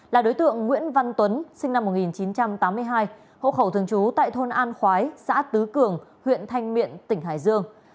là đối tượng nguyễn văn tuấn sinh năm một nghìn chín trăm tám mươi hai hộ khẩu thường trú tại thôn an khói xã tứ cường huyện thanh miện tỉnh hải dương